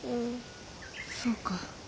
そうか。